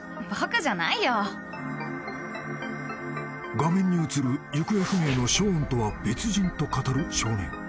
［画面に映る行方不明のショーンとは別人と語る少年］